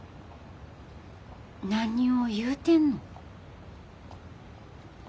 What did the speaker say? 何を言うてんの。